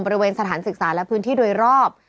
บริเวณสถานศึกษาและพื้นที่โดยรอบ